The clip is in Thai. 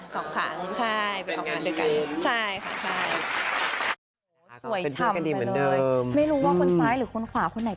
สองขั้นใช่